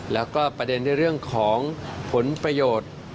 แล้วก็ประเด็นในเรื่องของผลประโยชน์